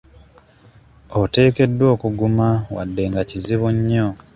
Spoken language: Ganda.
Oteekeddwa okuguma wadde nga kizibu nnyo.